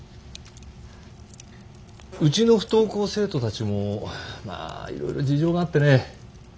うちの不登校生徒たちもまあいろいろ事情があってね